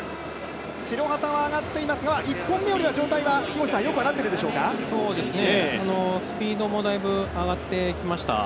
白旗が挙がっていますが、１本目よりは状態は良くなっているでしスピードもだいぶ上がってきました。